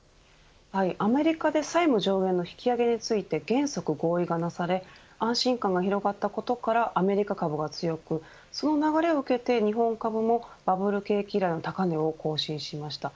アメリカで債務上限の引き上げについて原則合意がなされ安心感が広がったことからアメリカ株が強くその流れを受けて日本株もバブル景気以来の高値を更新しました。